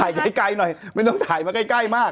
ถ่ายให้ไกลหน่อยไม่นุ่มถ่ายมาใกล้มาก